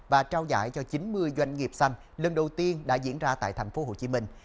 và trao doanh hiệu doanh nghiệp xanh tp hcm lần thứ nhất cho chín mươi doanh nghiệp